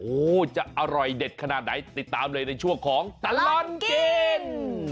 โอ้โหจะอร่อยเด็ดขนาดไหนติดตามเลยในช่วงของตลอดกิน